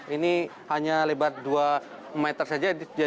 ini hanya lebar dua meter saja